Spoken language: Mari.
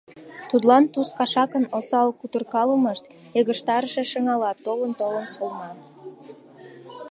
Тудлан Туз кашакын осал кутыркалымышт йыгыжтарыше шыҥала толын-толын солна.